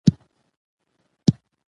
که عدالت پلی شي، کرکه نه ریښې وهي.